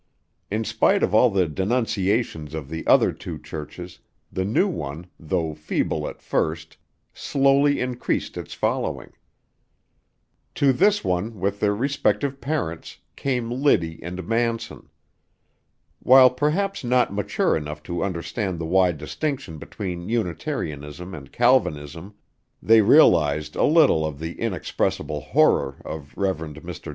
In spite of all the denunciations of the other two churches, the new one, though feeble at first, slowly increased its following. To this one with their respective parents, came Liddy and Manson. While perhaps not mature enough to understand the wide distinction between Unitarianism and Calvinism, they realized a little of the inexpressible horror of Rev. Mr.